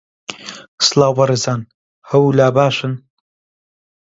سڵاو بەڕێزان، هەوو لا باشن